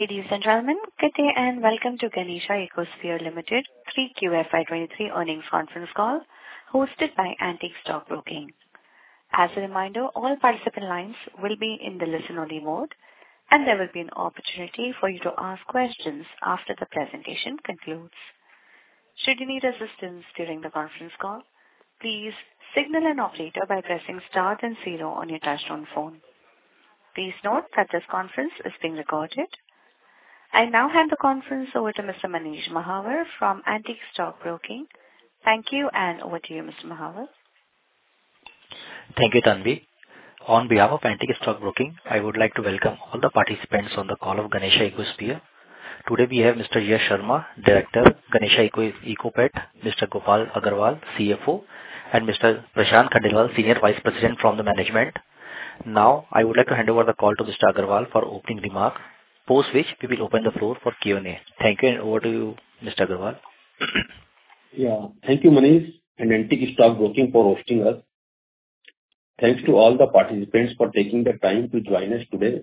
Ladies and gentlemen, good day, and welcome to Ganesha Ecosphere Limited Q3 FY23 earnings conference call, hosted by Antique Stock Broking. As a reminder, all participant lines will be in the listen-only mode, and there will be an opportunity for you to ask questions after the presentation concludes. Should you need assistance during the conference call, please signal an operator by pressing star then zero on your touchtone phone. Please note that this conference is being recorded. I now hand the conference over to Mr. Manish Mahawar from Antique Stock Broking. Thank you, and over to you, Mr. Mahawar. Thank you, Tanvi. On behalf of Antique Stock Broking, I would like to welcome all the participants on the call of Ganesha Ecosphere. Today, we have Mr. Yash Sharma, Director, Ganesha Ecosphere, Mr. Gopal Agarwal, CFO, and Mr. Prashant Khandelwal, Senior Vice President from the management. Now, I would like to hand over the call to Mr. Agarwal for opening remarks, post which we will open the floor for Q&A. Thank you, and over to you, Mr. Agarwal. Yeah. Thank you, Manish and Antique Stock Broking for hosting us. Thanks to all the participants for taking the time to join us today.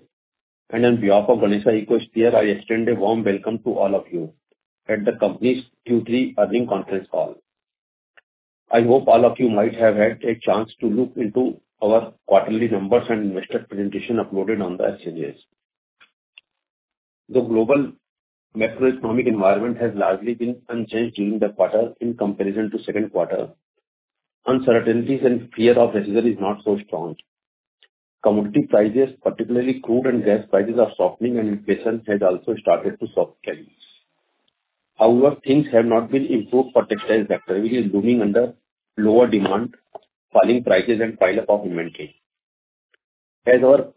On behalf of Ganesha Ecosphere, I extend a warm welcome to all of you at the company's Q3 earnings conference call. I hope all of you might have had a chance to look into our quarterly numbers and investor presentation uploaded on the SEBI. The global macroeconomic environment has largely been unchanged during the quarter in comparison to second quarter. Uncertainties and fear of recession is not so strong. Commodity prices, particularly crude and gas prices, are softening, and inflation has also started to soften slightly. However, things have not been improved for textile sector, which is looming under lower demand, falling prices, and pileup of inventory. As our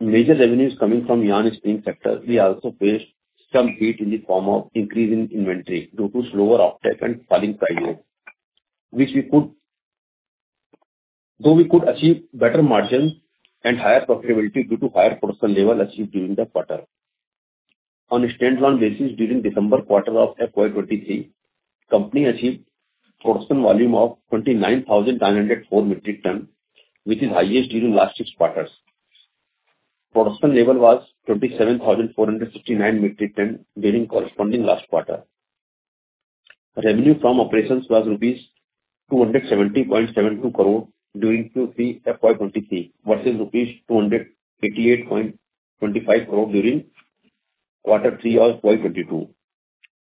major revenue is coming from yarn spinning sector, we also faced some heat in the form of increase in inventory due to slower offtake and falling prices. Though we could achieve better margins and higher profitability due to higher production level achieved during the quarter. On a standalone basis, during December quarter of FY 2023, company achieved production volume of 29,904 metric tons, which is highest during last six quarters. Production level was 27,469 metric tons, during corresponding last quarter. Revenue from operations was rupees 270.72 crore during Q3 FY 2023 versus rupees 288.25 crore during quarter 3 of FY 2022.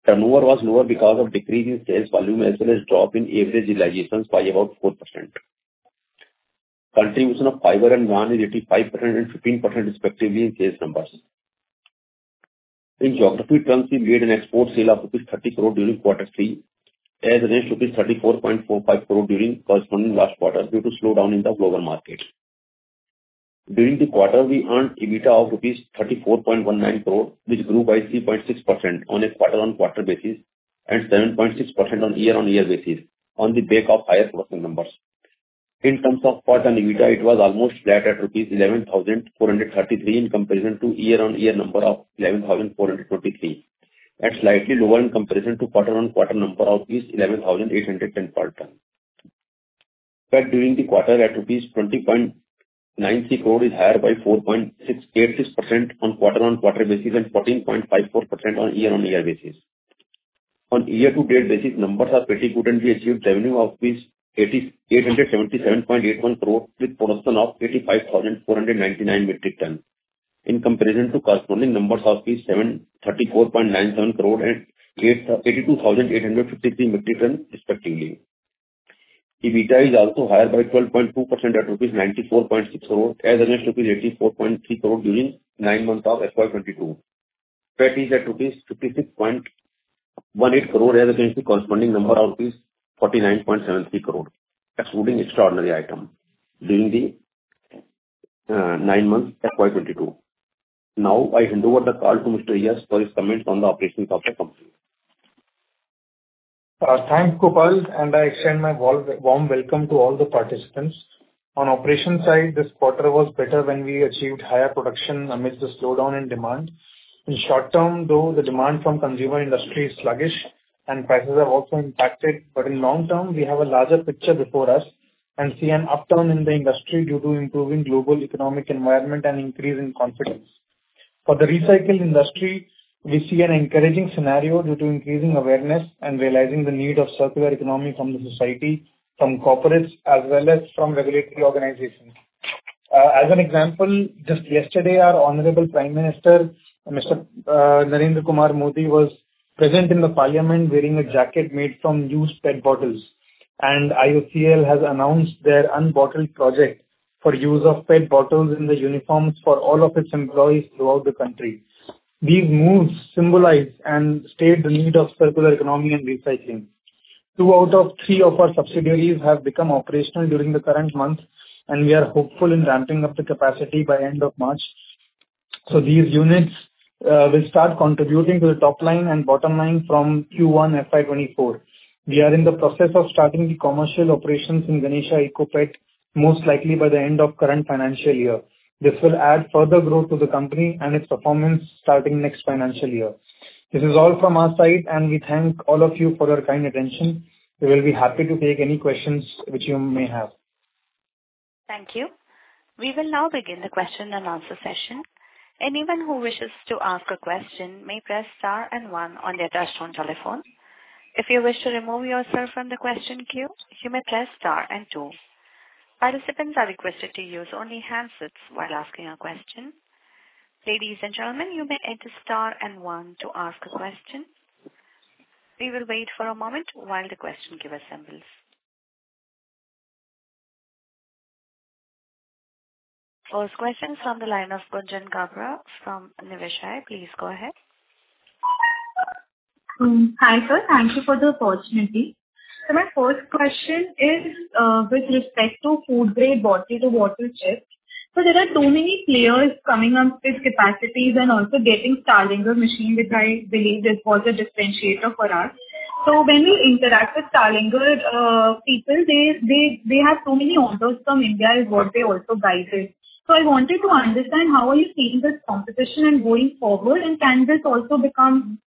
Turnover was lower because of decrease in sales volume, as well as drop in average realizations by about 4%. Contribution of fiber and yarn is 85% and 15% respectively in sales numbers. In geography terms, we made an export sale of INR 30 crore during quarter three, as against INR 34.45 crore during corresponding last quarter, due to slowdown in the global market. During the quarter, we earned EBITDA of 34.19 crore rupees, which grew by 3.6% on a quarter-on-quarter basis, and 7.6% on year-on-year basis, on the back of higher production numbers. In terms of PAT and EBITDA, it was almost flat at rupees 11,433, in comparison to year-on-year number of 11,423, and slightly lower in comparison to quarter-on-quarter number of 11,810 PAT. But during the quarter, rupees 20.93 crore is higher by 4.686% on quarter-over-quarter basis, and 14.54% on year-over-year basis. On year-to-date basis, numbers are pretty good, and we achieved revenue of 8,877.81 crore, with production of 85,499 metric tons, in comparison to corresponding numbers of 734.97 crore and 82,853 metric tons respectively. EBITDA is also higher by 12.2% at rupees 94.6 crore, as against rupees 84.3 crore during nine months of FY 2022. PAT is at rupees 56.18 crore, as against the corresponding number of rupees 49.73 crore, excluding extraordinary item during the nine months FY 2022. Now, I hand over the call to Mr. Yash for his comments on the operations of the company. Thanks, Gopal, and I extend my warm welcome to all the participants. On operation side, this quarter was better when we achieved higher production amidst the slowdown in demand. In short term, though, the demand from consumer industry is sluggish and prices are also impacted, but in long term, we have a larger picture before us, and see an upturn in the industry due to improving global economic environment and increase in confidence. For the recycled industry, we see an encouraging scenario due to increasing awareness and realizing the need of circular economy from the society, from corporates, as well as from regulatory organizations. As an example, just yesterday, our Honorable Prime Minister, Mr. Narendra Kumar Modi, was present in the Parliament wearing a jacket made from used PET bottles, and IOCL has announced their Unbottled project for use of PET bottles in the uniforms for all of its employees throughout the country. These moves symbolize and state the need of circular economy and recycling. Two out of three of our subsidiaries have become operational during the current month, and we are hopeful in ramping up the capacity by end of March. These units will start contributing to the top line and bottom line from Q1 FY 2024. We are in the process of starting the commercial operations in Ganesha Ecosphere, most likely by the end of current financial year. This will add further growth to the company and its performance starting next financial year. This is all from our side, and we thank all of you for your kind attention. We will be happy to take any questions which you may have. ...Thank you. We will now begin the question and answer session. Anyone who wishes to ask a question may press star and one on their touchtone telephone. If you wish to remove yourself from the question queue, you may press star and two. Participants are requested to use only handsets while asking a question. Ladies and gentlemen, you may enter star and one to ask a question. We will wait for a moment while the question queue assembles. First question from the line of Gunjan Kabra from Niveshaay. Please go ahead. Hi, sir. Thank you for the opportunity. So my first question is, with respect to food grade bottle to bottle chips. So there are too many players coming up with capacities and also getting Starlinger machine, which I believe was a differentiator for us. So when we interact with Starlinger, people, they have so many orders from India is what they also guided. So I wanted to understand, how are you seeing this competition and going forward, and can this also become,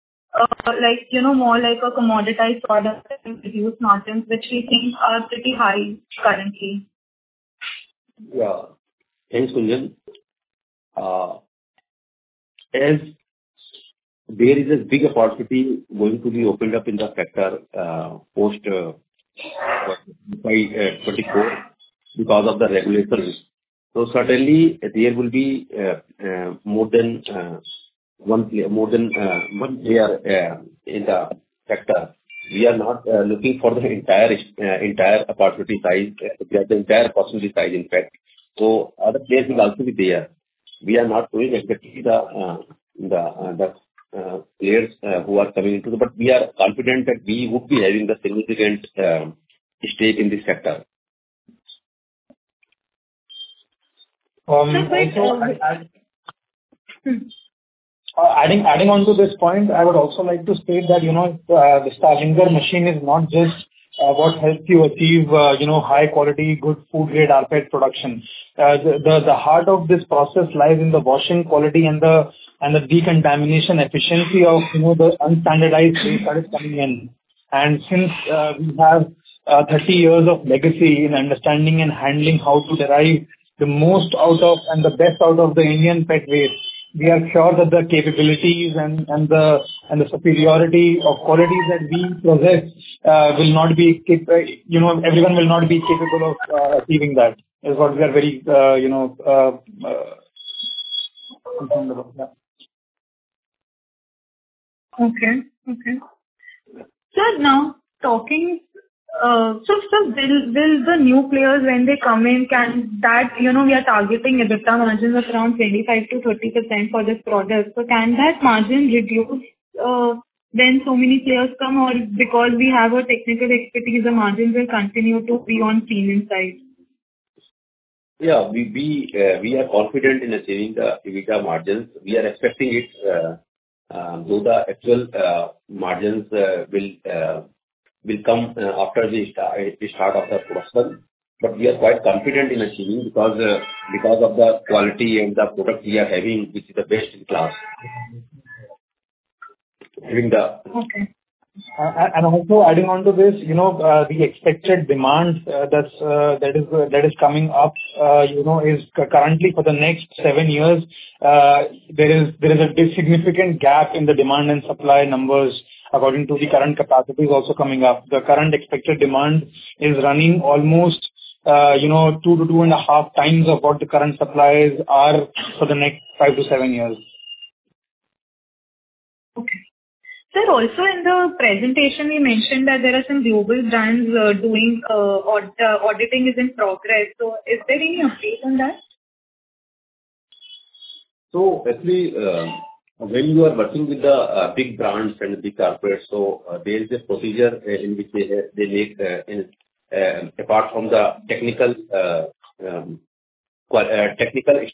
like, you know, more like a commoditized product and reduce margins, which we think are pretty high currently? Yeah. Thanks, Gunjan. As there is a big opportunity going to be opened up in the sector post by 2024 because of the regulations. So certainly there will be more than one player, more than one player in the sector. We are not looking for the entire entire opportunity size, the entire opportunity size impact. So other players will also be there. We are not doing exactly the the the players who are coming into the market. But we are confident that we would be having the significant stake in this sector. Adding on to this point, I would also like to state that, you know, the Starlinger machine is not just what helps you achieve, you know, high quality, good food grade output production. The heart of this process lies in the washing quality and the decontamination efficiency of, you know, the unstandardized waste that is coming in. And since we have 30 years of legacy in understanding and handling how to derive the most out of, and the best out of the Indian PET waste, we are sure that the capabilities and the superiority of qualities that we possess, you know, everyone will not be capable of achieving that. Is what we are very, you know, confident about that. Okay, okay. Sir, now talking, so, sir, will the new players when they come in, can that, you know, we are targeting EBITDA margins of around 25%-30% for this product. So can that margin reduce, when so many players come, or because we have a technical expertise, the margins will continue to be on premium side? Yeah. We are confident in achieving the EBITDA margins. We are expecting it, though the actual margins will come after the start of the first one. But we are quite confident in achieving because of the quality and the product we are having, which is the best in class. During the- Okay. And also adding on to this, you know, the expected demand that is coming up, you know, is currently for the next 7 years, there is a big significant gap in the demand and supply numbers according to the current capacities also coming up. The current expected demand is running almost, you know, 2-2.5 times of what the current supplies are for the next 5-7 years. Okay. Sir, also in the presentation, you mentioned that there are some global brands doing auditing is in progress. So is there any update on that? So actually, when you are working with the big brands and big corporates, so there is a procedure in which, apart from the technical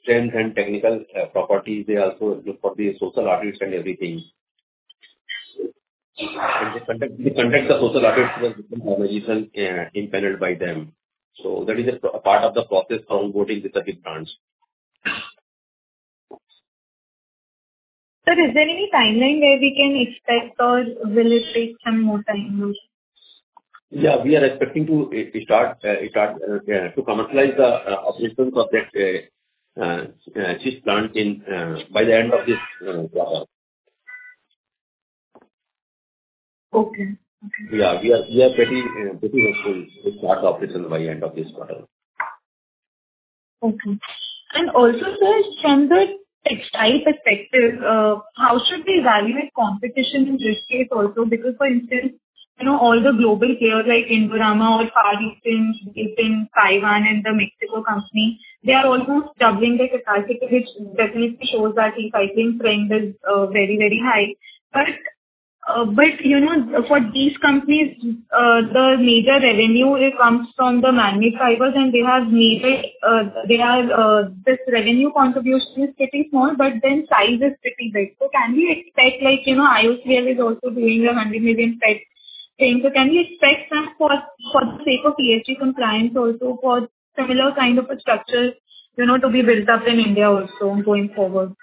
strength and technical properties, they also look for the social audits and everything. They conduct the social audits with the organization impaneled by them. So that is a part of the process onboarding with the big brands. Sir, is there any timeline where we can expect, or will it take some more time? Yeah, we are expecting to start, yeah, to commercialize the chips plant in by the end of this quarter. Okay. Yeah, we are pretty much to start the operation by end of this quarter. Okay. And also, sir, from the textile perspective, how should we evaluate competition in risk case also? Because, for instance, you know, all the global players like Indorama or Far Eastern, Eastern Taiwan, and the Mexico company, they are also doubling their capacity, which definitely shows that the recycling trend is, very, very high. But, you know, for these companies, the major revenue, it comes from the man-made fibers, and they have made it, they are, this revenue contribution is pretty small, but then size is pretty big. So can we expect like, you know, IOCL is also doing the man-made fibers thing, so can we expect, for the sake of PET from clients also for similar kind of a structure, you know, to be built up in India also going forward?...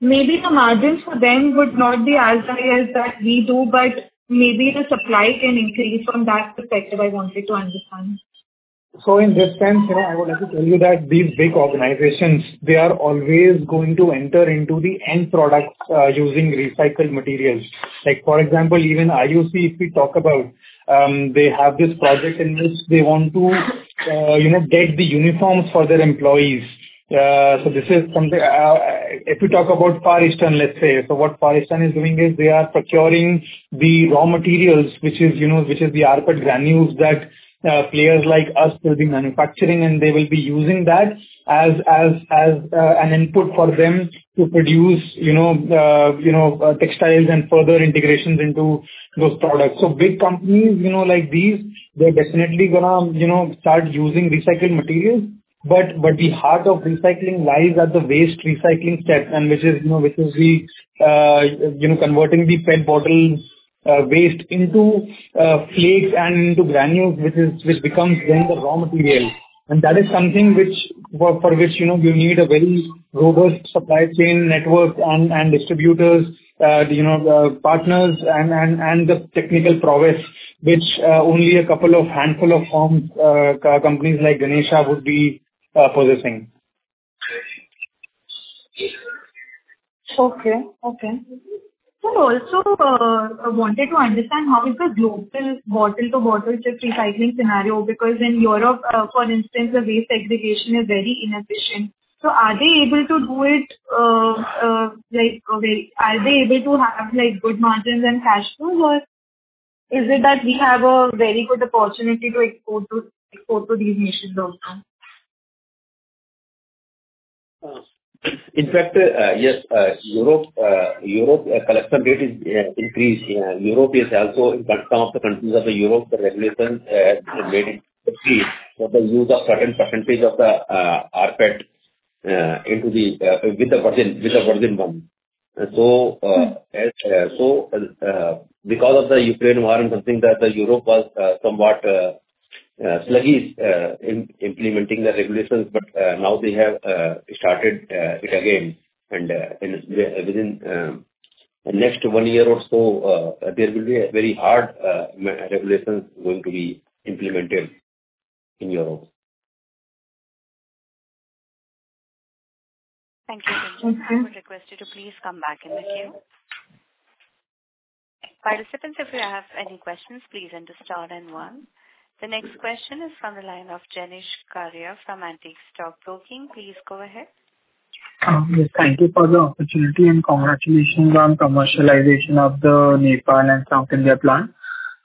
Maybe the margins for them would not be as high as that we do, but maybe the supply can increase from that perspective, I wanted to understand. So in this sense, you know, I would like to tell you that these big organizations, they are always going to enter into the end products using recycled materials. Like, for example, even IOC, if we talk about, they have this project in which they want to, you know, get the uniforms for their employees. So this is something. If you talk about Far Eastern, let's say, so what Far Eastern is doing is they are procuring the raw materials, which is, you know, which is the output granules that players like us will be manufacturing. And they will be using that as an input for them to produce, you know, textiles and further integrations into those products. So big companies, you know, like these, they're definitely gonna, you know, start using recycled materials. But the heart of recycling lies at the waste recycling sector, and which is, you know, which is the, you know, converting the PET bottles, waste into, flakes and into granules, which is—which becomes then the raw material. And that is something which, for, for which, you know, you need a very robust supply chain network and, and, and the technical prowess, which, only a couple of handful of firms, companies like Ganesha would be, possessing. Okay, okay. So also, I wanted to understand how is the global bottle-to-bottle chip recycling scenario, because in Europe, for instance, the waste segregation is very inefficient. So are they able to do it, like, Are they able to have, like, good margins and cash flow? Or is it that we have a very good opportunity to export to, export to these nations also? In fact, yes, Europe collection rate is increased. Yeah, Europe is also, in fact, some of the countries of Europe, the regulations have made it to see that the use of certain percentage of the rPET into the with the virgin, with the virgin one. And so, because of the Ukraine war and something that Europe was somewhat sluggish in implementing the regulations. But now they have started it again. And within the next one year or so, there will be a very hard regulations going to be implemented in Europe. Thank you. I would request you to please come back in the queue. Participants, if you have any questions, please enter star and one. The next question is from the line of Jenish Karia from Antique Stock Broking. Please go ahead. Yes, thank you for the opportunity, and congratulations on commercialization of the Nepal and South India plant.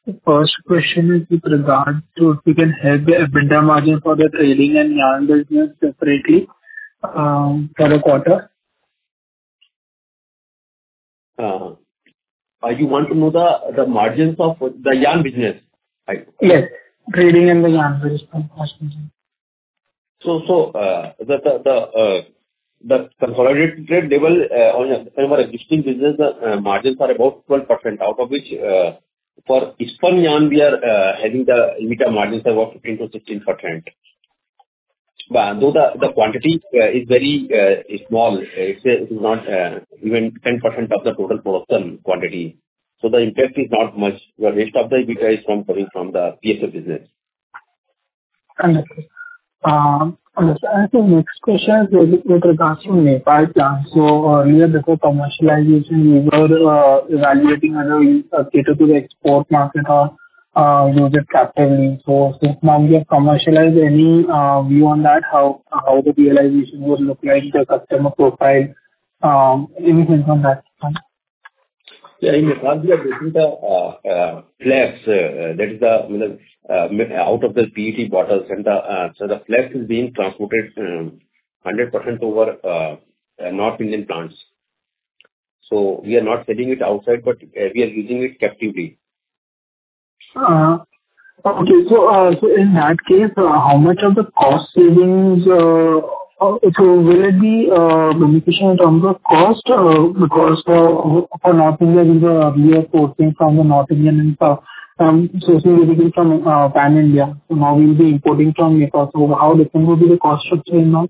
The first question is with regard to if you can have the EBITDA margin for the trading and yarn business separately, for the quarter? You want to know the margins of the yarn business, right? Yes, trading and the yarn business, first question. The consolidated level, on our existing business, margins are about 12%, out of which, for spun yarn, we are having the EBITDA margins of about 15%-16%. But though the quantity is very small, it is not even 10% of the total portion quantity, so the impact is not much. The rest of the EBITDA is coming from the PSF business. Understood. Next question is with regards to Nepal plant. Earlier, before commercialization, you were evaluating as to cater to the export market or use it captively. Since now we have commercialized, any view on that, how the realization would look like, the customer profile, anything from that front? Yeah, in Nepal, we are using the flakes that is the out of the PET bottles. So the flakes is being transported 100% over North Indian plants. We are not selling it outside, but we are using it captively. Okay. So, in that case, how much of the cost savings... So will it be beneficial in terms of cost? Because, for North India, we are sourcing from the North Indian, and, so basically from Pan India. So now we'll be importing from Nepal, so how different will be the cost of chain not?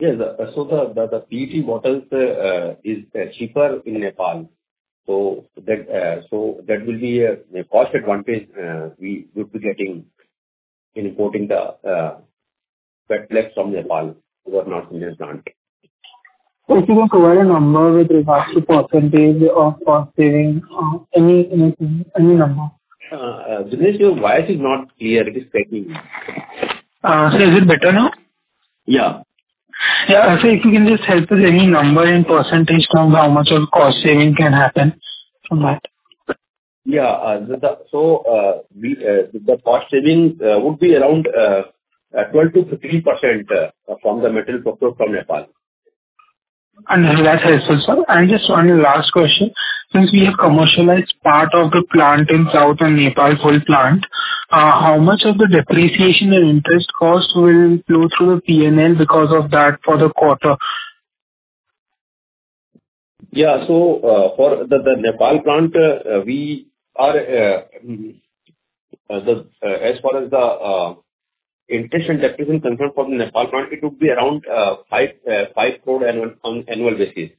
Yes. So the PET bottles is cheaper in Nepal. So that will be a cost advantage we would be getting in importing the PET flakes from Nepal over North India plant. If you can provide a number with regards to percentage of cost saving, any, anything, any number? Jenish, your voice is not clear. It is breaking. So, is it better now? Yeah. Yeah. So if you can just help with any number and percentage terms, how much of cost saving can happen from that? Yeah, so the cost saving would be around 12%-13% from the material purchased from Nepal. Understood. That helps sir. Just one last question. Since we have commercialized part of the plant in South and Nepal whole plant, how much of the depreciation and interest cost will flow through the PNL because of that for the quarter?... Yeah, so for the Nepal plant, as far as the interest and depreciation concerned for the Nepal plant, it would be around 5 crore annually on an annual basis.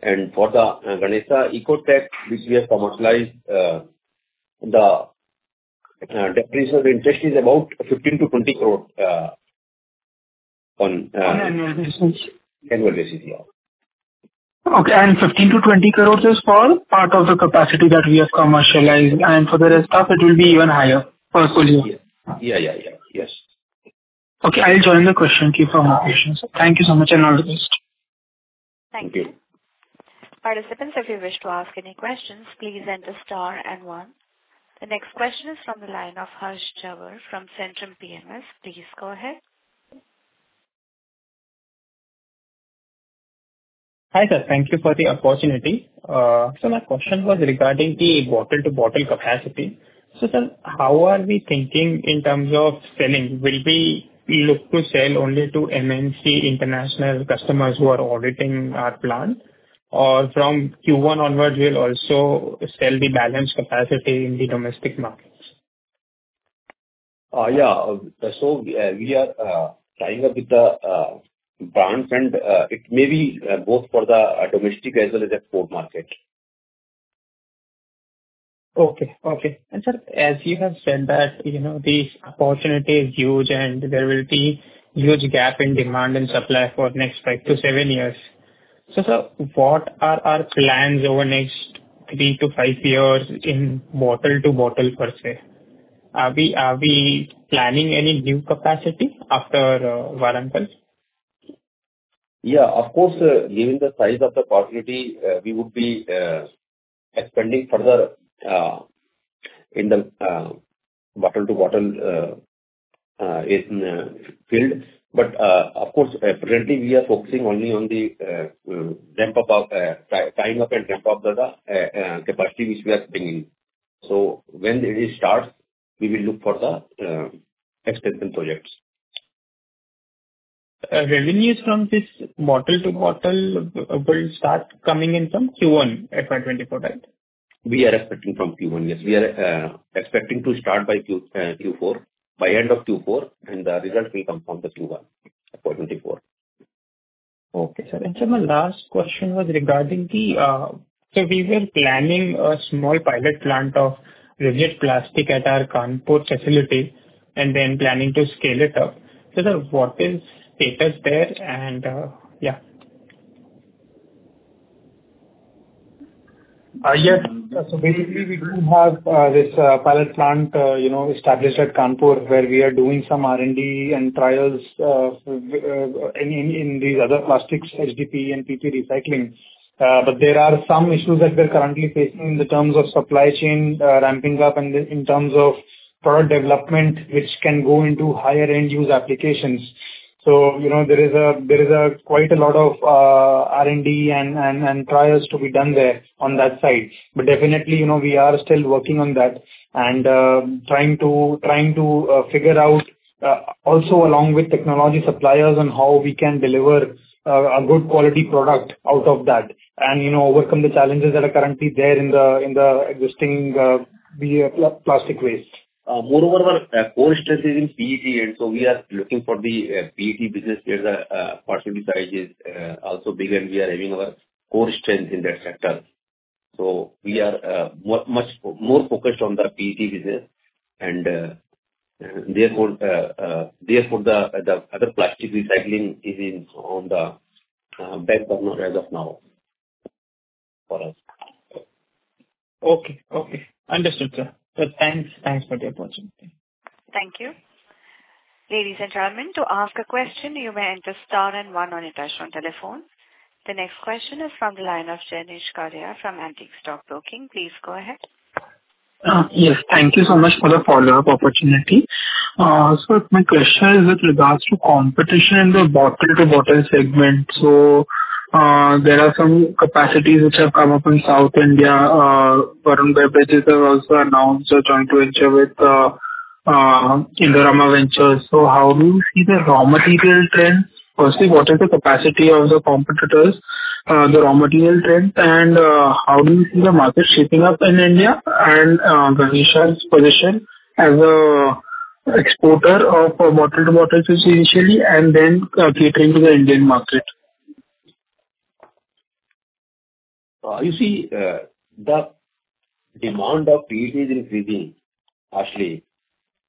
And for the Ganesha Ecosphere, which we have commercialized, the depreciation and interest is about 15 crore-20 crore on- On annual basis. Annual basis, yeah. Okay, and 15-20 crore is for part of the capacity that we have commercialized, and for the rest of it will be even higher per full year? Yeah. Yeah, yeah, yeah. Yes. Okay, I'll join the question queue for more questions. Thank you so much, and all the best. Thank you. Thank you. Participants, if you wish to ask any questions, please enter star and one. The next question is from the line of Harsh Jhaveri from Centrum PMS. Please go ahead. Hi, sir. Thank you for the opportunity. My question was regarding the bottle-to-bottle capacity. So sir, how are we thinking in terms of selling? Will we look to sell only to MNC international customers who are auditing our plant, or from Q1 onwards, we'll also sell the balance capacity in the domestic markets? Yeah. So, we are tying up with the brands, and it may be both for the domestic as well as export market. Okay. Okay. And sir, as you have said, that, you know, this opportunity is huge, and there will be huge gap in demand and supply for next 5-7 years. So sir, what are our plans over next 3-5 years in bottle-to-bottle, per se? Are we, are we planning any new capacity after Warangal? Yeah, of course, given the size of the opportunity, we would be expanding further in the bottle-to-bottle field. But, of course, currently, we are focusing only on the ramp up of tying up and ramp up of the capacity which we are bringing. So when it starts, we will look for the expansion projects. Revenues from this bottle-to-bottle will start coming in from Q1 for 2024, right? We are expecting from Q1, yes. We are expecting to start by Q4, by end of Q4, and the results will come from the Q1 for 2024. Okay, sir. Sir, my last question was regarding the. So we were planning a small pilot plant of rigid plastic at our Kanpur facility, and then planning to scale it up. So sir, what is status there, and yeah. Yes, so basically we do have this pilot plant, you know, established at Kanpur, where we are doing some R&D and trials in these other plastics, HDPE and PP recycling. But there are some issues that we're currently facing in terms of supply chain, ramping up and in terms of product development, which can go into higher end use applications. So, you know, there is quite a lot of R&D and trials to be done there on that side. But definitely, you know, we are still working on that and trying to figure out also along with technology suppliers on how we can deliver a good quality product out of that. You know, overcome the challenges that are currently there in the existing plastic waste. Moreover, our core strength is in PET, and so we are looking for the PET business where the opportunity size is also big, and we are having our core strength in that sector. So we are much more focused on the PET business, and therefore the other plastic recycling is in on the back burner as of now for us. Okay, okay. Understood, sir. Thanks, thanks for the opportunity. Thank you. Ladies and gentlemen, to ask a question, you may enter star and one on your touch-tone telephone. The next question is from the line of Jenish Karia from Antique Stock Broking. Please go ahead. Yes. Thank you so much for the follow-up opportunity. So my question is with regards to competition in the bottle-to-bottle segment. So, there are some capacities which have come up in South India. Varun Beverages have also announced a joint venture with Indorama Ventures. So how do you see the raw material trend? Firstly, what is the capacity of the competitors, the raw material trend, and, how do you see the market shaping up in India, and, Ganesha's position as an exporter of bottle-to-bottle initially, and then, catering to the Indian market? You see, the demand of PET is increasing actually.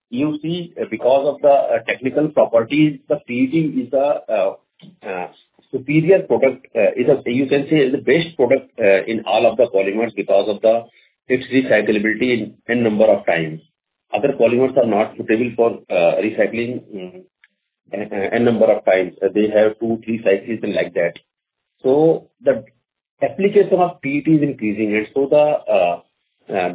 You see, because of the technical properties, the PET is a superior product. It is, you can say, is the best product in all of the polymers because of its recyclability in n number of times. Other polymers are not suitable for recycling n number of times. They have two, three cycles and like that. So the application of PET is increasing, and so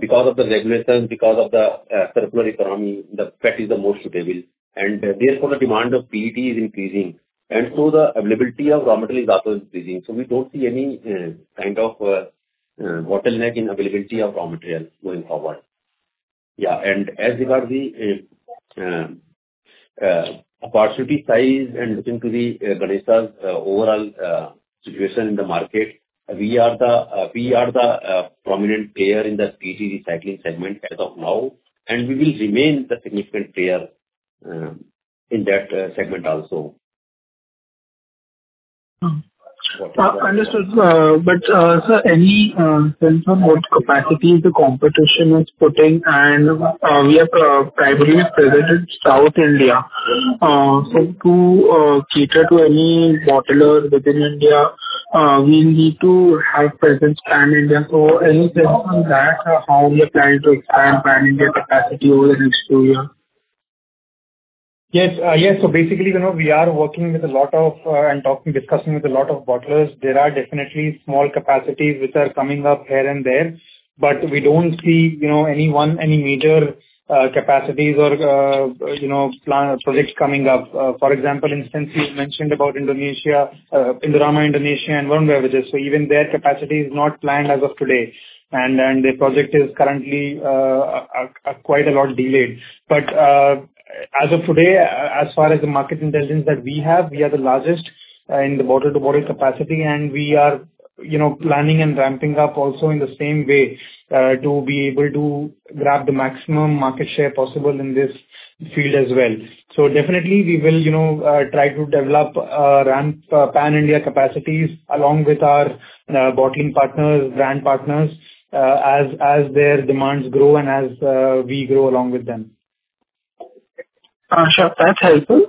because of the regulations, because of the circular economy, the PET is the most suitable, and therefore, the demand of PET is increasing, and so the availability of raw material is also increasing. So we don't see any kind of bottleneck in availability of raw materials going forward.... Yeah, as regards the opportunity size and looking to Ganesha's overall situation in the market, we are the prominent player in the PET recycling segment as of now, and we will remain the significant player in that segment also. Understood. But sir, any sense on what capacity the competition is putting? We are primarily present in South India. So to cater to any bottlers within India, we need to have presence pan-India. Any sense on that, how we are planning to expand pan-India capacity over the next two years? Yes. Yes. So basically, you know, we are working with a lot of, and talking, discussing with a lot of bottlers. There are definitely small capacities which are coming up here and there. But we don't see, you know, any one, any major, capacities or, you know, projects coming up. For example, for instance you mentioned about Indonesia, Indorama, Indonesia, and Varun Beverages. So even their capacity is not planned as of today. And the project is currently quite a lot delayed. But as of today, as far as the market intelligence that we have, we are the largest in the bottle-to-bottle capacity, and we are, you know, planning and ramping up also in the same way, to be able to grab the maximum market share possible in this field as well. Definitely we will, you know, try to develop ramp pan-India capacities along with our bottling partners, brand partners, as their demands grow and as we grow along with them. Sure. That's helpful.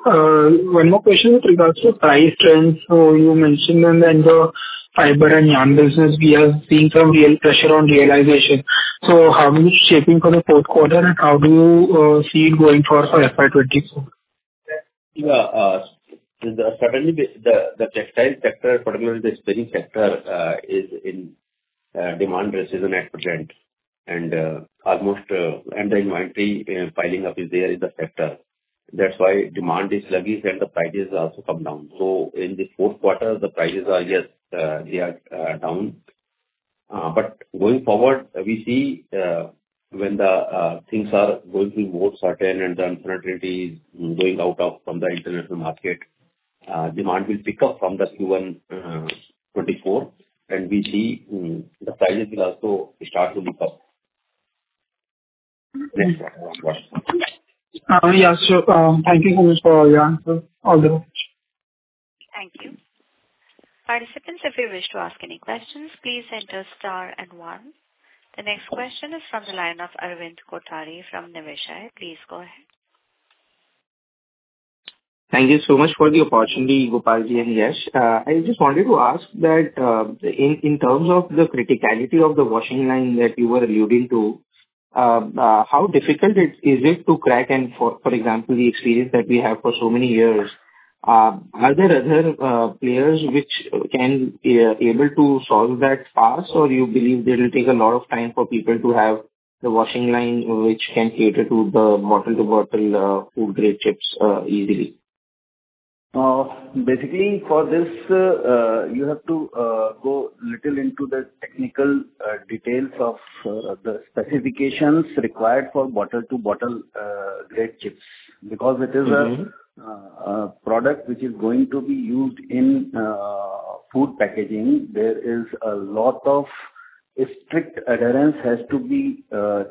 One more question with regards to price trends. You mentioned in the fiber and yarn business, we have seen some real pressure on realization. How is it shaping for the fourth quarter, and how do you see it going forward for FY 2024? Yeah, certainly the textile sector, particularly the spinning sector, is in demand recession at present. And the inventory piling up is there in the sector. That's why demand is sluggish and the prices have also come down. So in this fourth quarter, the prices are down. But going forward, we see when the things are going to be more certain and the uncertainty is going out of from the international market, demand will pick up from the Q1 2024, and we see the prices will also start to pick up. Yes, sure. Thank you so much for all your answers. All the best. Thank you. Participants, if you wish to ask any questions, please enter star and one. The next question is from the line of Arvind Kothari from Niveshaay. Please go ahead. Thank you so much for the opportunity, Gopal ji and Yash. I just wanted to ask that, in terms of the criticality of the washing line that you were alluding to, how difficult it is to crack? And for example, the experience that we have for so many years, are there other players which can be able to solve that task? Or you believe it will take a lot of time for people to have the washing line, which can cater to the bottle-to-bottle food-grade chips easily? Basically, for this, you have to go little into the technical details of the specifications required for bottle-to-bottle grade chips. Because it is a product which is going to be used in food packaging, there is a lot of strict adherence has to be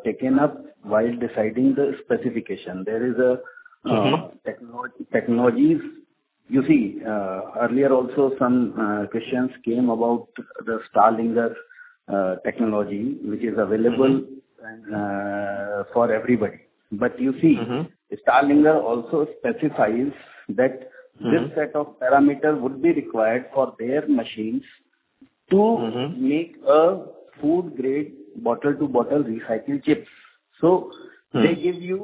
taken up while deciding the specification. There is a- Technologies. You see, earlier also some questions came about the Starlinger technology, which is available for everybody. But you see- Starlinger also specifies that- This set of parameters would be required for their machines to- make a food-grade, bottle-to-bottle recycled chips. They give you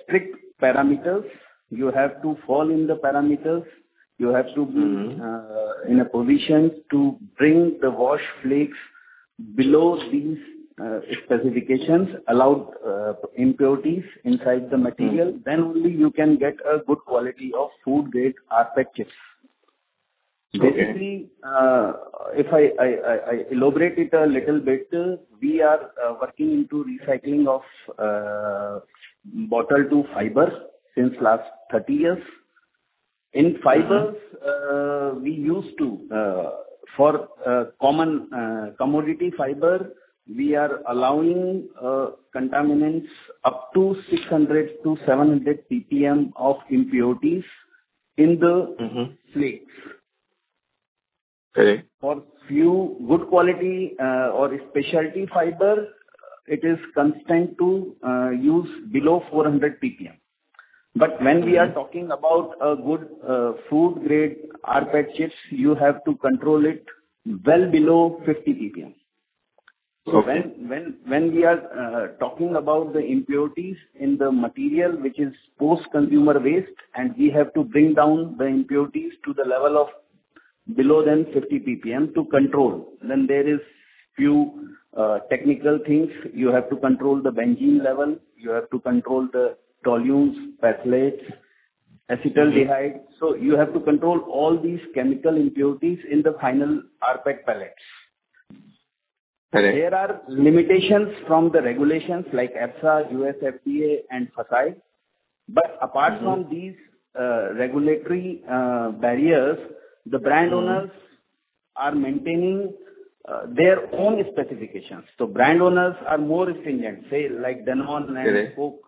strict parameters. You have to fall in the parameters. You have to be in a position to bring the wash flakes below these specifications, allowed impurities inside the material. Then only you can get a good quality of food-grade rPET chips. Okay. Basically, if I elaborate it a little bit, we are working into recycling of bottle to fiber since last 30 years. In fibers, we used to for common commodity fiber, we are allowing contaminants up to 600-700 PPM of impurities in the- -flakes. Okay. For few good quality, or specialty fibers, it is constant to use below 400 PPM. When we are talking about a good, food-grade rPET chips, you have to control it well below 50 PPM. Okay. So when we are talking about the impurities in the material, which is post-consumer waste, and we have to bring down the impurities to the level of below 50 PPM to control, then there is few technical things. You have to control the benzene level, you have to control the toluene, phthalates, acetaldehyde. So you have to control all these chemical impurities in the final rPET pellets. Correct. There are limitations from the regulations like EFSA, USFDA, and FSSAI. But apart from these regulatory barriers, the brand owners are maintaining their own specifications. So brand owners are more stringent, say, like Danone and Coke. Correct.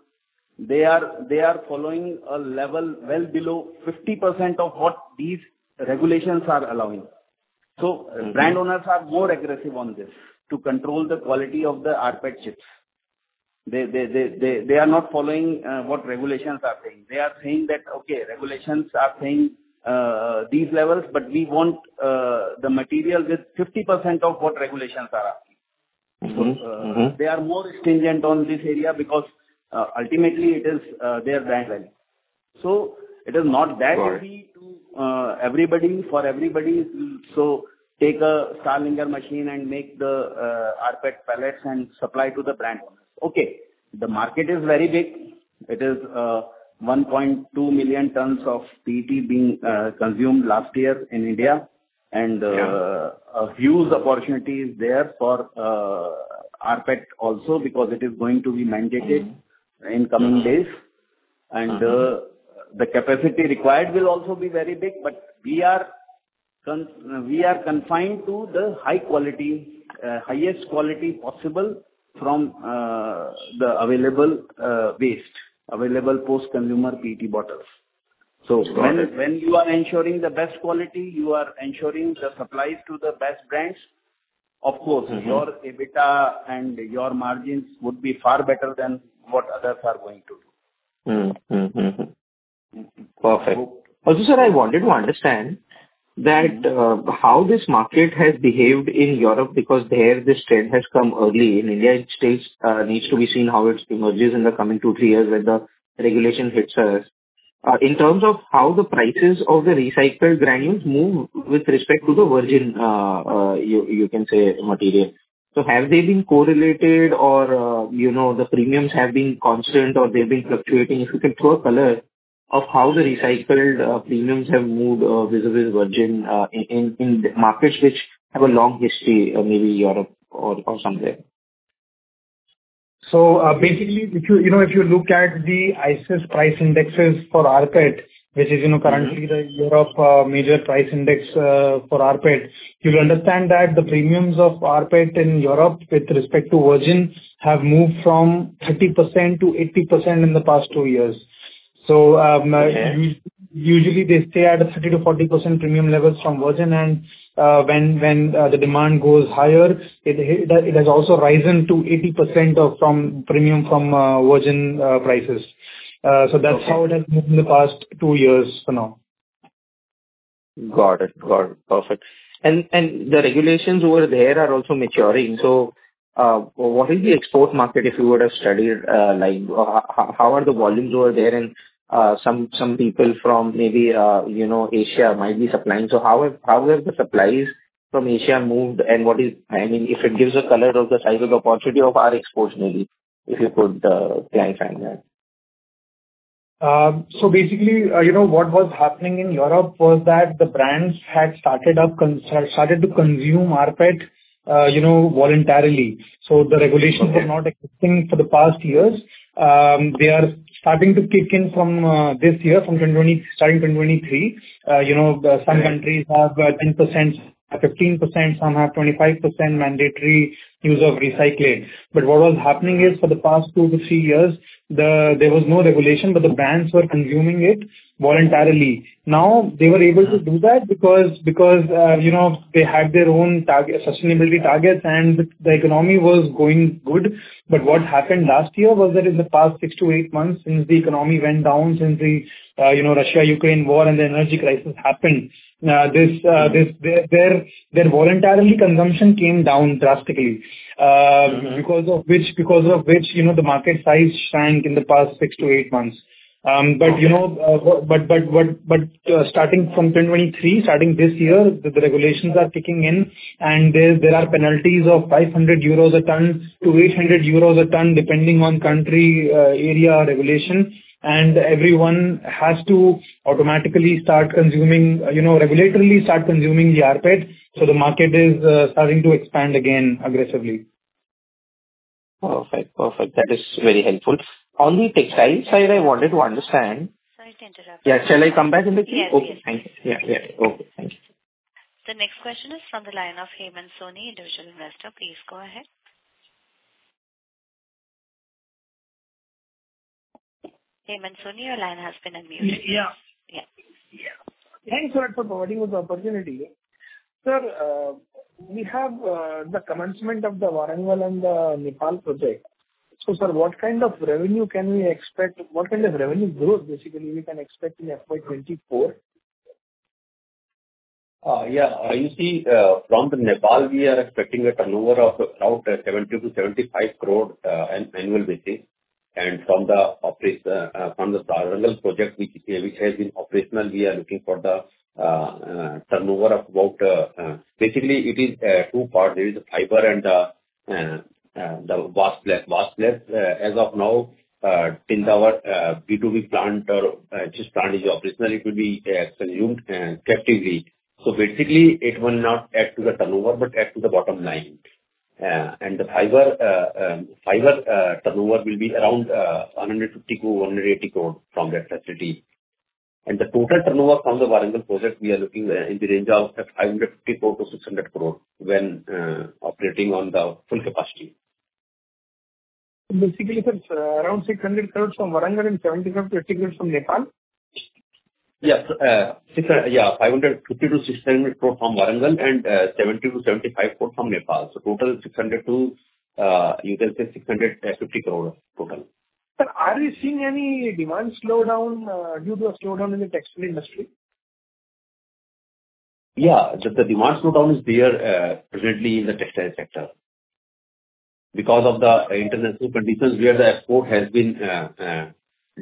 They are following a level well below 50% of what these regulations are allowing. So brand owners are more aggressive on this, to control the quality of the rPET chips. They are not following what regulations are saying. They are saying that: "Okay, regulations are saying these levels, but we want the material with 50% of what regulations are asking. They are more stringent on this area because, ultimately it is, their brand value. So it is not that- Got it. Easy to everybody for everybody. So take a Starlinger machine and make the rPET pellets and supply to the brand. Okay, the market is very big. It is 1.2 million tons of PET being consumed last year in India. Yeah. A huge opportunity is there for rPET also, because it is going to be mandated in coming days. The capacity required will also be very big, but we are confined to the high quality, highest quality possible from the available waste available post-consumer PET bottles. So- When you are ensuring the best quality, you are ensuring the supplies to the best brands, of course.... your EBITDA and your margins would be far better than what others are going to do. Perfect. Also, sir, I wanted to understand that, how this market has behaved in Europe, because there this trend has come early. In India, it stays, needs to be seen how it emerges in the coming 2-3 years when the regulation hits us. In terms of how the prices of the recycled granules move with respect to the virgin, you, you can say, material. So have they been correlated or, you know, the premiums have been constant or they've been fluctuating? If you can throw a color of how the recycled, premiums have moved, vis-a-vis virgin, in the markets which have a long history, maybe Europe or somewhere. So, basically, if you, you know, if you look at the ICIS price indexes for rPET, which is, you know, currently the European major price index for rPET, you'll understand that the premiums of rPET in Europe with respect to virgin have moved from 30%-80% in the past two years. So, Okay. Usually they stay at a 30%-40% premium levels from virgin, and when the demand goes higher, it has also risen to 80% premium from virgin prices. Okay. That's how it has been in the past two years for now. Got it. Got it. Perfect. And the regulations over there are also maturing. What is the export market, if you were to study it, like, how are the volumes over there? And some people from maybe, you know, Asia, might be supplying. So how have the supplies from Asia moved, and what is... I mean, if it gives a color of the size of the quantity of our exports maybe, if you could clarify that. So basically, you know, what was happening in Europe was that the brands had started to consume rPET, you know, voluntarily. Okay. So the regulations were not existing for the past years. They are starting to kick in from this year, starting 2023. You know, the- Right. Some countries have 10%, 15%, some have 25% mandatory use of recyclate. But what was happening is, for the past 2-3 years, there was no regulation, but the brands were consuming it voluntarily. Now, they were able to do that because, you know, they had their own target, sustainability targets, and the economy was going good. But what happened last year was that in the past 6-8 months, since the economy went down, since the, you know, Russia-Ukraine war and the energy crisis happened, this, their voluntarily consumption came down drastically. Because of which, because of which, you know, the market size shrank in the past six to eight months. But, you know, starting from 2023, starting this year, the regulations are kicking in, and there are penalties of 500 euros a ton to 800 euros a ton, depending on country, area or regulation. Everyone has to automatically start consuming, you know, regulatorily start consuming the rPET, so the market is starting to expand again aggressively. Perfect, perfect. That is very helpful. On the textile side, I wanted to understand- Sorry to interrupt you. Yeah, shall I come back in the queue? Yes, yes. Okay, thank you. Yeah, yeah. Okay, thank you. The next question is from the line of Hemant Soni, individual investor. Please go ahead. Hemant Soni, your line has been unmuted. Y-yeah. Yeah. Yeah. Thanks, sir, for providing me the opportunity. Sir, we have the commencement of the Warangal and the Nepal project. So sir, what kind of revenue can we expect? What kind of revenue growth, basically, we can expect in FY 2024? Yeah. You see, from the Nepal, we are expecting a turnover of about 70-75 crore annually. And from the other, from the Warangal project, which has been operational, we are looking for the turnover of about... Basically, it is two parts. There is the fiber and the waste plant. As of now, till our B2B plant or this plant is operational, it will be consumed captively. So basically, it will not add to the turnover, but add to the bottom line. And the fiber turnover will be around 150-180 crore from that facility. The total turnover from the Warangal project, we are looking in the range of 550 crore-600 crore when operating on the full capacity. Basically, sir, it's around 600 crore from Warangal and 70 crore-80 crore from Nepal? Yes. 550-600 crore from Warangal and 70-75 crore from Nepal. So total, 600-650 crore total. Sir, are you seeing any demand slowdown, due to a slowdown in the textile industry? Yeah, the demand slowdown is there, presently in the textile sector. Because of the international conditions where the export has been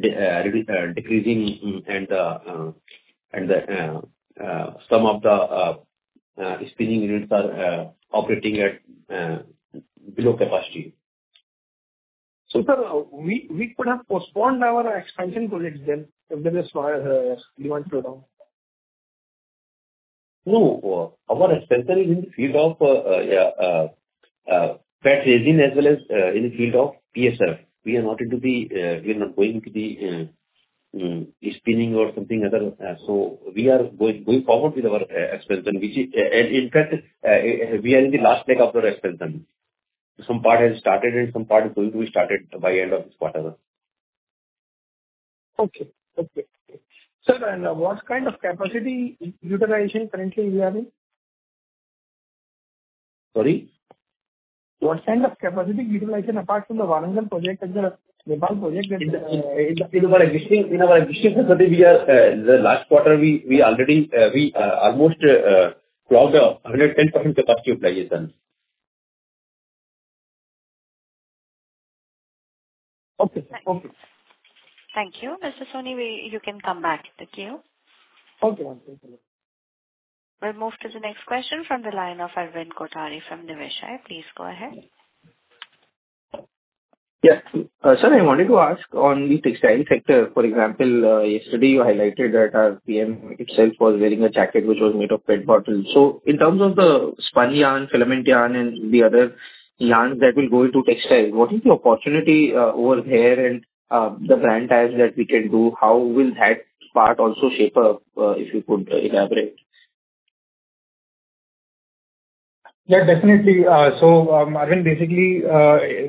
decreasing, and then some of the spinning units are operating at below capacity. Sir, we could have postponed our expansion project then, if there is demand slowdown? No, our expansion in the field of PET resin as well as in the field of PSF. We are not into the, we are not going to be spinning or something other. So we are going forward with our expansion, which is... And in fact, we are in the last leg of our expansion. Some part has started, and some part is going to be started by end of this quarter. Okay. Okay. Sir, and, what kind of capacity utilization currently we are in? Sorry? What kind of capacity utilization apart from the Warangal project and the Nepal project is- In our existing facility, the last quarter we already almost crossed 110% capacity utilization. Okay. Thank you. Thank you. Mr. Soni, you can come back to the queue. Thank you. Thank you. We'll move to the next question from the line of Arvind Kothari from Niveshaay. Please go ahead. Yeah. Sir, I wanted to ask on the textile sector, for example, yesterday you highlighted that our PM itself was wearing a jacket which was made of PET bottles. So in terms of the spun yarn, filament yarn, and the other yarns that will go into textiles, what is the opportunity over there, and the brand ties that we can do? How will that part also shape up, if you could elaborate? Yeah, definitely. So, Arvind, basically,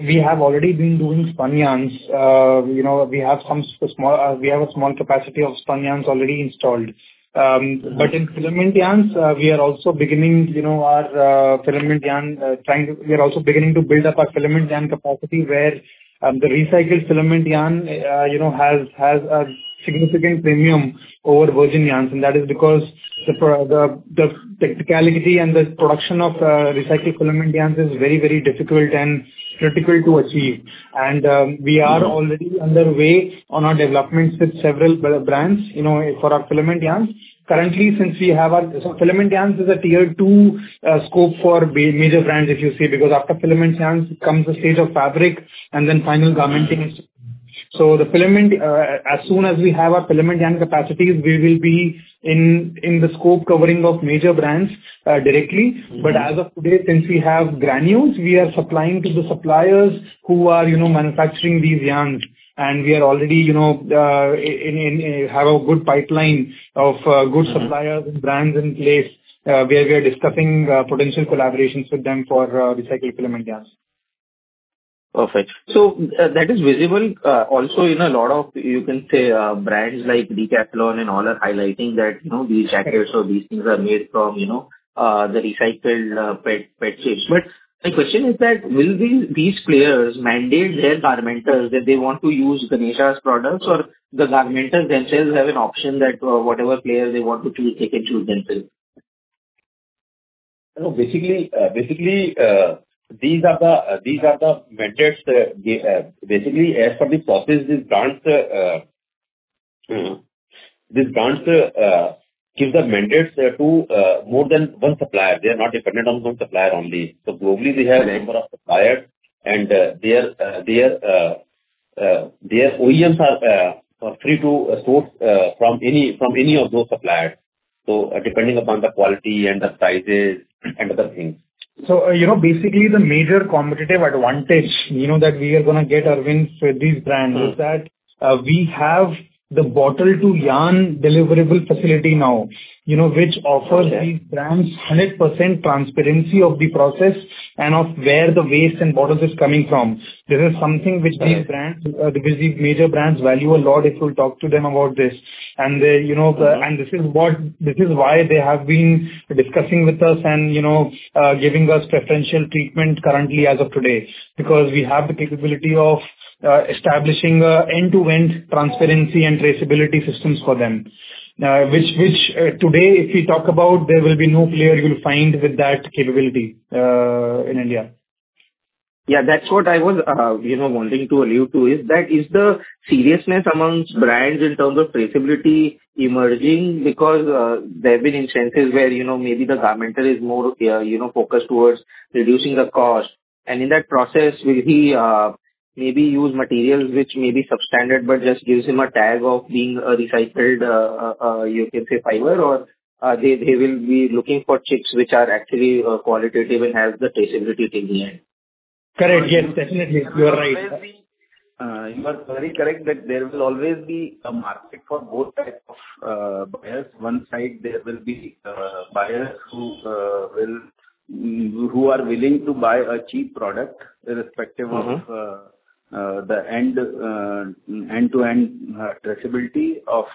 we have already been doing spun yarns. You know, we have some small, we have a small capacity of spun yarns already installed. But in filament yarns, we are also beginning, you know, our, filament yarn, trying to- we are also beginning to build up our filament yarn capacity, where the recycled filament yarn, you know, has a significant premium over virgin yarns. And that is because the pr... The, the technicality and the production of recycled filament yarns is very, very difficult and critical to achieve. And we are already underway on our developments with several other brands, you know, for our filament yarns. Currently, since we have our... So filament yarns is a tier two scope for major brands, if you see, because after filament yarns comes the stage of fabric, and then final garmenting. So the filament, as soon as we have our filament yarn capacities, we will be in the scope covering of major brands, directly. But as of today, since we have granules, we are supplying to the suppliers who are, you know, manufacturing these yarns. And we are already, you know, have a good pipeline of good suppliers- - and brands in place, where we are discussing potential collaborations with them for recycled filament yarns. Perfect. So, that is visible also in a lot of, you can say, brands like Decathlon and all, are highlighting that, you know, these jackets or these things are made from, you know, the recycled PET, PET shapes. But my question is that, will these, these players mandate their garmentors that they want to use Ganesha's products, or the garmentors themselves have an option that, whatever player they want to choose, they can choose themselves? No, basically, basically, these are the, these are the mandates, they, basically, as some of the sources, these brands, these brands, give the mandates to, more than one supplier. They are not dependent on one supplier only. So globally, they have- Right. a number of suppliers, and their OEMs are free to source from any of those suppliers. So depending upon the quality and the prices and other things. You know, basically, the major competitive advantage, you know, that we are gonna get, Arvind, with these brands- is that, we have the bottle-to-yarn deliverable facility now, you know, which offers- Okay. - these brands 100% transparency of the process and of where the waste and bottles is coming from. This is something which these brands, the big major brands, value a lot if you talk to them about this. And they, you know- Okay. This is what, this is why they have been discussing with us and, you know, giving us preferential treatment currently as of today. Because we have the capability of establishing end-to-end transparency and traceability systems for them. Which, today, if you talk about, there will be no player you will find with that capability in India.... Yeah, that's what I was, you know, wanting to allude to, is that, is the seriousness among brands in terms of traceability emerging? Because, there have been instances where, you know, maybe the garment is more, you know, focused towards reducing the cost, and in that process, will he, maybe use materials which may be substandard, but just gives him a tag of being a recycled, you can say fiber, or, they, they will be looking for chips which are actually, qualitative and have the traceability in the end. Correct. Yes, definitely. You are right. You are very correct, that there will always be a market for both type of buyers. One side, there will be buyers who are willing to buy a cheap product, irrespective of the end-to-end traceability of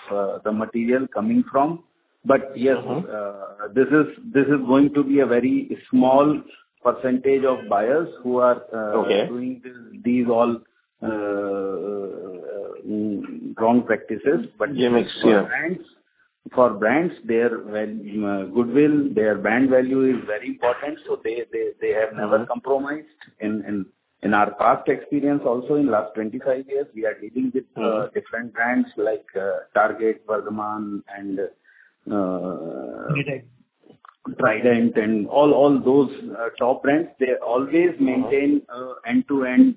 the material coming from. But yes. This is going to be a very small percentage of buyers who are doing this, these all wrong practices. Yes, yes. But for brands, for brands, their goodwill, their brand value is very important, so they have never compromised. In our past experience also, in last 25 years, we are dealing with different brands like Target, Vardhman, and Trident. Trident, and all, all those top brands, they always maintain end-to-end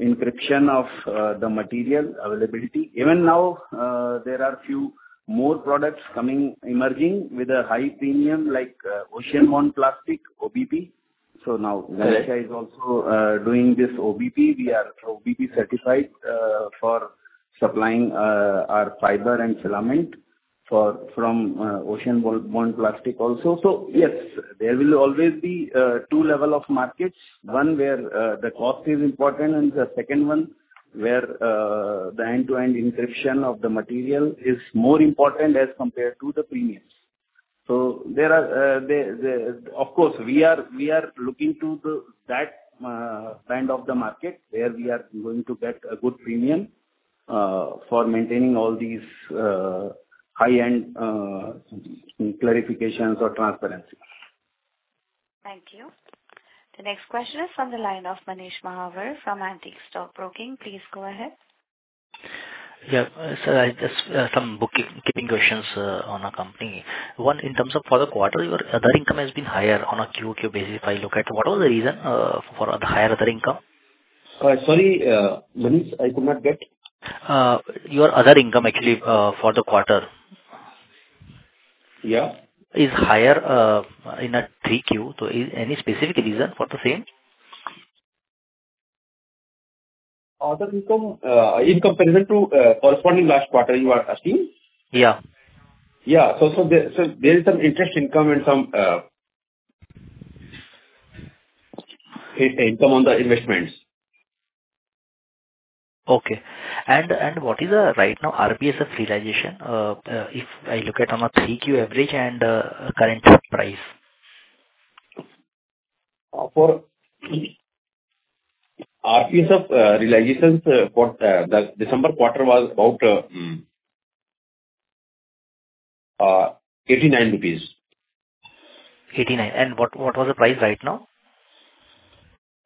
encryption of the material availability. Even now, there are few more products coming, emerging with a high premium like ocean-bound plastic, OBP. So now- Correct. Ganesha is also doing this OBP. We are OBP certified for supplying our fiber and filament for, from, ocean-bound plastic also. So yes, there will always be two level of markets: one, where the cost is important, and the second one, where the end-to-end encryption of the material is more important as compared to the premiums. So there are. Of course, we are looking to that kind of the market, where we are going to get a good premium for maintaining all these high-end clarifications or transparency. Thank you. The next question is from the line of Manish Mahawar from Antique Stock Broking. Please go ahead. Yeah, so I just some bookkeeping questions on our company. One, in terms of for the quarter, your other income has been higher on a QOQ basis, if I look at. What was the reason for a higher other income? Sorry, Manish, I could not get. Your other income actually, for the quarter. Yeah. Is higher in Q3, so is any specific reason for the same? Other income, in comparison to, corresponding last quarter, you are asking? Yeah. Yeah. So, there is some interest income and some income on the investments. Okay. And what is the right now RPSF realization, if I look at on a 3-Q average and current price? For PSF realizations for the December quarter was about 89 rupees. 89. And what, what was the price right now?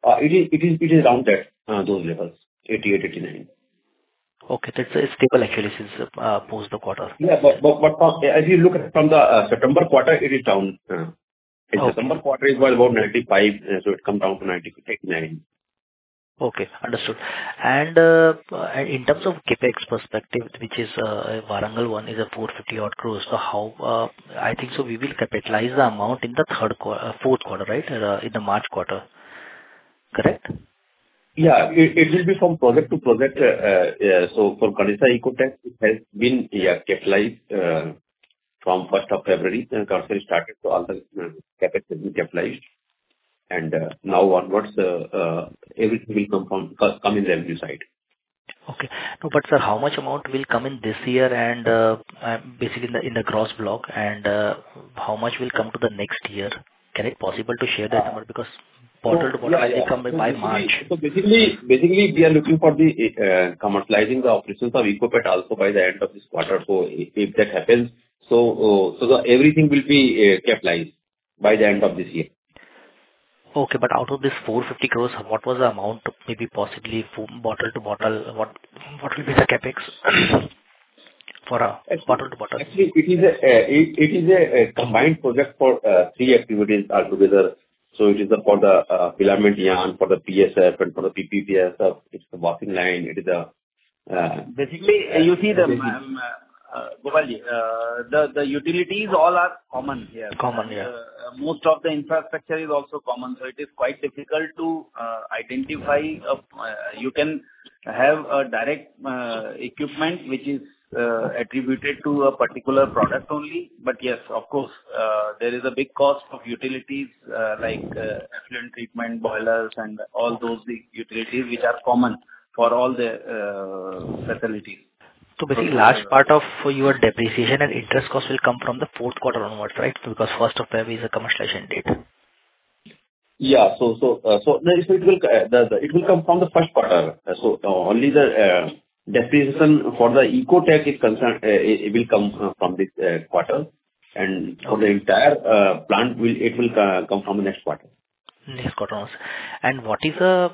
It is around that, those levels, 88-89. Okay. That's stable actually since post the quarter. Yeah, but as you look from the September quarter, it is down. Okay. In September quarter, it was about 95, so it come down to 98.9. Okay, understood. And, in terms of CapEx perspective, which is, Varangal one is 450 crore odd. So how... I think so we will capitalize the amount in the fourth quarter, right? In the March quarter, correct? Yeah. It will be from project to project. So for Ganesha Ecosphere, it has been, yeah, capitalized from first of February, then commercial started, so all the CapEx has been capitalized. And now onwards, everything will come in the revenue side. Okay. No, but sir, how much amount will come in this year and basically in the gross block, and how much will come to the next year? Can it possible to share that number? Because bottle-to-bottle will come in by March. So basically, we are looking for the commercializing the operations of Ecopet also by the end of this quarter. So if that happens, so everything will be capitalized by the end of this year. Okay. But out of this 450 crore, what was the amount, maybe possibly from bottle-to-bottle? What, what will be the CapEx for bottle-to-bottle? Actually, it is a combined project for three activities all together. So it is for the filament yarn, for the PSF, and for the RPSF. It's the washing line. It is- Basically, you see the Gopali, the utilities all are common here. Common, yeah. Most of the infrastructure is also common, so it is quite difficult to identify. You can have a direct equipment which is attributed to a particular product only. But yes, of course, there is a big cost of utilities, like effluent treatment, boilers, and all those big utilities which are common for all the facility. So basically, large part of your depreciation and interest cost will come from the fourth quarter onwards, right? Because first of February is a commercialization date. Yeah. So it will come from the first quarter. So only the depreciation for the Ecotech is concerned, it will come from this quarter.... and of the entire plant will come from the next quarter. Next quarter. What is the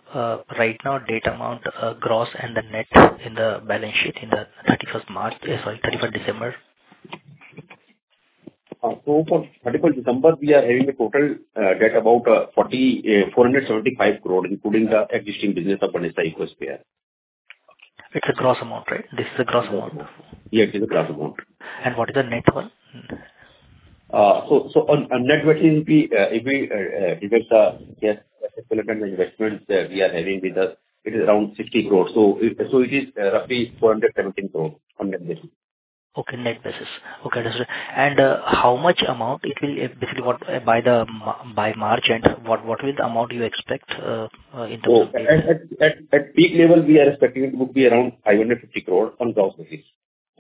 right now debt amount, gross and the net in the balance sheet in the thirty-first March, sorry, thirty-first December? For 31st December, we are having a total debt amount of 475 crore, including the existing business of Ganesha Ecosphere. It's a gross amount, right? This is a gross amount. Yes, it's a gross amount. What is the net one? So, on net basis, we, if we deduct the investment we are having with us, it is around 60 crore. So it is roughly 417 crore on net basis. Okay, net basis. Okay, that's right. And how much amount it will basically what by March, and what will the amount you expect in the- Oh, at peak level, we are expecting it would be around 550 crore on gross basis.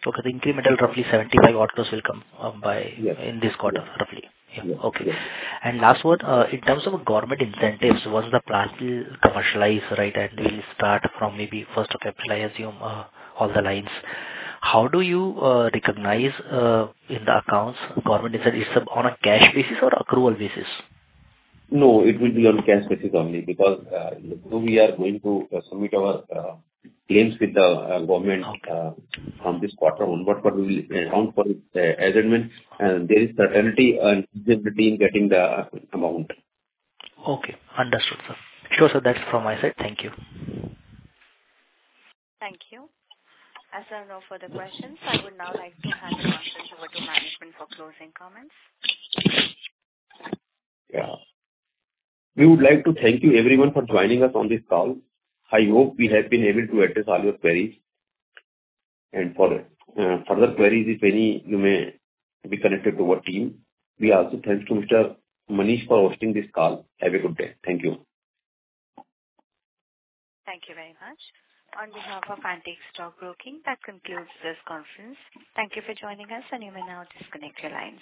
Okay, the incremental roughly 75 orders will come, by- Yes. in this quarter, roughly? Yes. Okay. Yes. And last one, in terms of government incentives, once the plant will commercialize, right, and will start from maybe first of capitalizing, all the lines, how do you recognize, in the accounts, government incentive, is it on a cash basis or accrual basis? No, it will be on cash basis only because though we are going to submit our claims with the government. Okay. From this quarter on, but what we account for it as and when there is certainty and visibility in getting the amount. Okay, understood, sir. Sure, sir, that's from my side. Thank you. Thank you. As there are no further questions, I would now like to thank management for closing comments. Yeah. We would like to thank you, everyone, for joining us on this call. I hope we have been able to address all your queries. And for further queries, if any, you may be connected to our team. We also thanks to Mr. Manish for hosting this call. Have a good day. Thank you. Thank you very much. On behalf of Antique Stock Broking, that concludes this conference. Thank you for joining us, and you may now disconnect your lines.